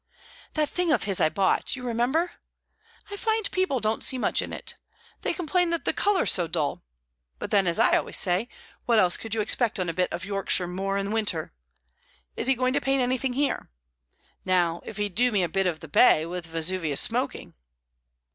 "That thing of his that I bought, you remember I find people don't see much in it. They complain that the colour's so dull. But then, as I always say, what else could you expect on a bit of Yorkshire moor in winter? Is he going to paint anything here? Now, if he'd do me a bit of the bay, with Vesuvius smoking."